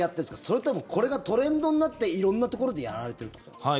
それともこれがトレンドになって色んなところでやられてるってことなんですか？